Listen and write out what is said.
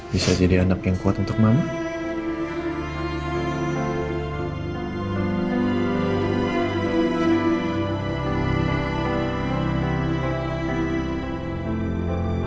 bisa jadi anak yang kuat untuk mama